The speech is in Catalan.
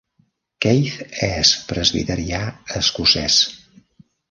Keith és presbiterià escocès.